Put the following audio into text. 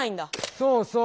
そうそう！